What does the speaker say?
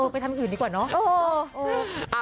ไปทำอื่นดีกว่าเนาะ